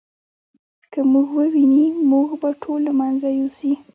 که موږ وویني موږ به ټول له منځه یوسي.